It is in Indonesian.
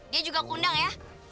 dia juga aku undang ya